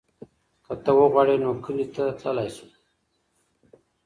که ته وغواړې نو کلي ته تللی شو.